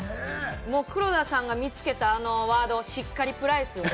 黒田さんが見つけた、あのワード「しっかりプライス」。